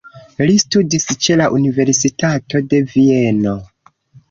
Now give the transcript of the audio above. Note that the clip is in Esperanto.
Li studis ĉe la Universitato de Vieno.